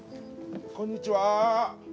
こんにちは。